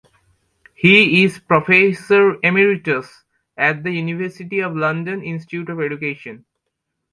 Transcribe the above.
He is Professor Emeritus at the University of London Institute of Education.